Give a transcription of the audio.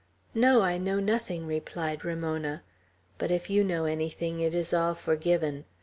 "No, I know nothing," replied Ramona; "but if you know anything, it is all forgiven.